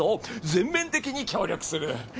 全面的に協力する。